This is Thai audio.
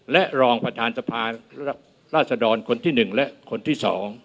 และรองประธานสภาราศดรคนที่๑และคนที่๒